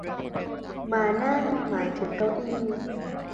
ม้านั่ง หมายถึงเก้าอี้